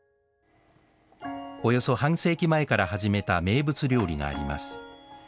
およそ半世紀前から始めた名物料理があります